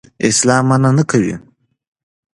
اسلام منع نه کوي.